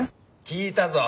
聞いたぞ。